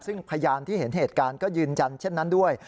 ซึ่งพยานที่เห็นเหตุการณ์ก็ยืนยันเช่นนั้นด้วย